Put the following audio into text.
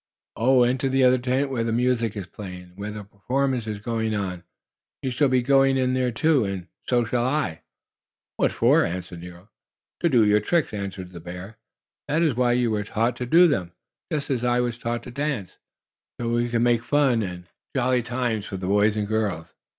"Oh, into the other tent, where the music is playing and where the performance is going on. You'll soon be going in there too, and so shall I." "What for?" asked Nero. "To do your tricks," answered the bear. "That is why you were taught to do them, just as I was taught to dance so we can make fun and jolly times for the boys and girls.